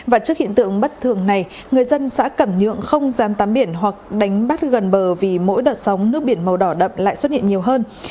và trước hiện tượng bất thường này người dân xã cẩm nhượng không dám tắm biển hoặc đánh bắt gần bờ vì mỗi đợt sóng nước biển màu đỏ đậm lại xuất hiện nhiều hơn